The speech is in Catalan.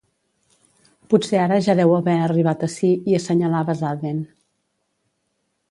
Potser ara ja deu haver arribat ací, i assenyalaves Aden.